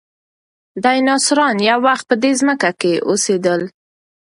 ډیناسوران یو وخت په دې ځمکه کې اوسېدل.